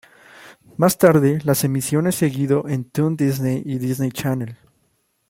Más tarde las emisiones seguido en Toon Disney y Disney Channel.